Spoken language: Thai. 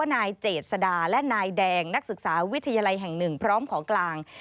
นักศึกษาวิทยาลัยแห่งหนึ่งพร้อมของกลาง